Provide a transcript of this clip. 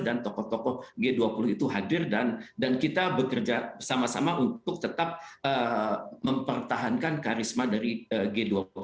dan tokoh tokoh g dua puluh itu hadir dan kita bekerja sama sama untuk tetap mempertahankan karisma dari g dua puluh